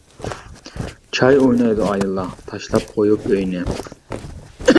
چاي ئوينايدۇ ئاياللار، تاشلاپ قويۇپ ئۆيىنى.